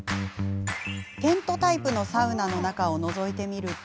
テントタイプのサウナの中をのぞいてみると。